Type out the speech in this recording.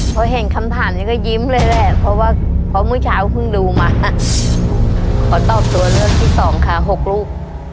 พอเห็นคำถามนี้ก็ยิ้มเลยแหละเพราะว่าพอเมื่อเช้าเพิ่งดูมาขอตอบตัวเลือกที่สองค่ะหกลูก